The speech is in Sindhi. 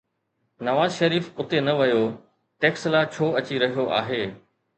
نواز شريف اتي نه ويو، ٽيڪسلا ڇو اچي رهيو آهي؟